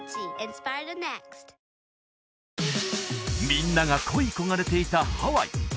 みんなが恋い焦がれていたハワイ